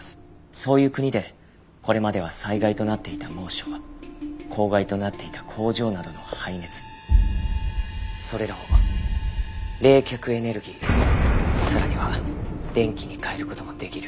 そういう国でこれまでは災害となっていた猛暑公害となっていた工場などの廃熱それらを冷却エネルギーさらには電気に変える事もできる。